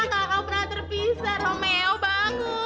kita gak akan pernah terpisah romeo bangun